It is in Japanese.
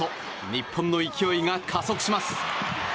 日本の勢いが加速します。